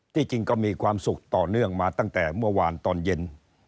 จริงก็มีความสุขต่อเนื่องมาตั้งแต่เมื่อวานตอนเย็น